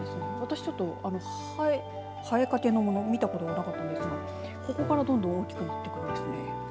私ちょっと生えかけのもの見たことがなかったんですがここから大きくなっていくんですね。